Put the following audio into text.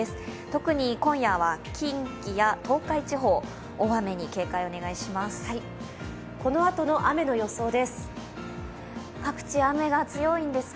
特に今夜は近畿や東海地方、大雨に警戒をお願いします。